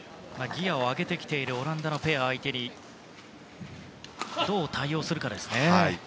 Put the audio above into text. ギアを上げてきているオランダペアを相手にどう対応するかですね。